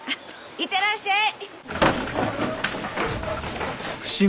行ってらっしゃい！